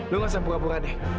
lu gak usah pura pura deh